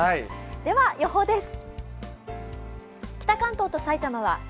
では、予報です。